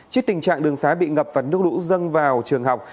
trước tình trạng đường xá bị ngập và nước lũ dâng vào trường học